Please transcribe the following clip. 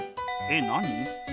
えっ何？